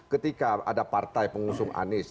ketika ada partai pengusung anies